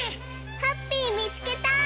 ハッピーみつけた！